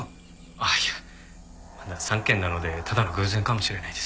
ああいやまだ３軒なのでただの偶然かもしれないですけど。